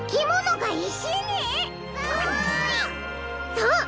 そう！